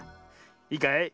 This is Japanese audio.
いいかい？